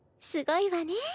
すごいわね。